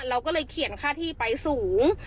เราก็เลยเขียนค่าที่ไปสูง